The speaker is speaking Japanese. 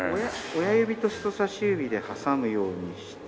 親指と人さし指で挟むようにして。